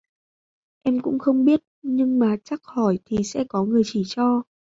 Em cũng không biết nhưng mà chắc hỏi thì sẽ có người chỉ cho